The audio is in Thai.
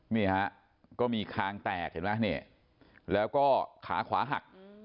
นี่ฮะก็มีคางแตกเห็นไหมเนี่ยแล้วก็ขาขวาหัก